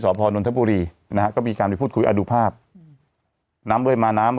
พอนนทบุรีนะฮะก็มีการไปพูดคุยอ่ะดูภาพน้ำด้วยมาน้ำ